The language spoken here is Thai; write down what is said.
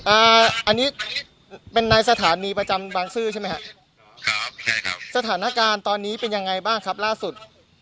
อันนี้เป็นในสถานีประจำบางซื่อใช่ไหมฮะครับใช่ครับสถานการณ์ตอนนี้เป็นยังไงบ้างครับล่าสุด